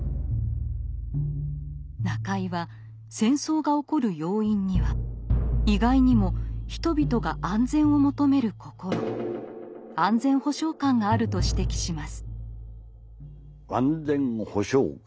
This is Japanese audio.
中井は戦争が起こる要因には意外にも人々が安全を求める心「安全保障感」があると指摘します。